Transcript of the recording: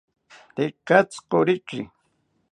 Tekatzi koriki